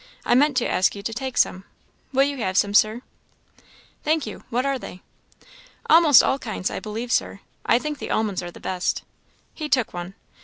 I meant to ask you to take some. Will you have some, Sir?" "Thank you. What are they?" "Almost all kinds, I believe, Sir I think the almonds are the best." He took one.